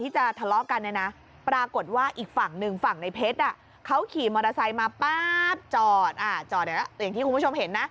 จอดอยู่แล้วอย่างที่คุณผู้ชมเห็นนะ